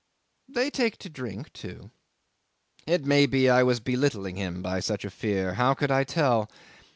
They take to drink too. It may be I was belittling him by such a fear. How could I tell?